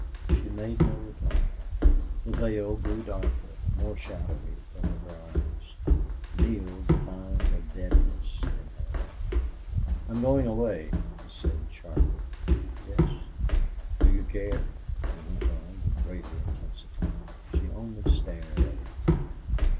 She made no reply. The veil grew darker, more shadowy, over her eyes. Neale divined a deadness in her. "I'm going away," he said, sharply. "Yes." "Do you care?" He went on, with greater intensity. She only stared at him.